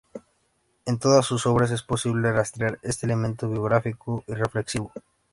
En todas sus obras es posible rastrear este elemento biográfico y reflexivo.